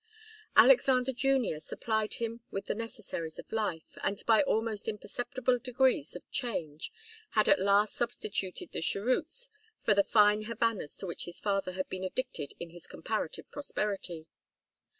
Alexander Junior supplied him with the necessaries of life, and by almost imperceptible degrees of change had at last substituted the cheroots for the fine Havanas to which his father had been addicted in his comparative prosperity.